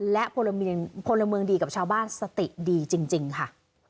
และพลเมืองดีกับชาวบ้านสติดีจริงค่ะ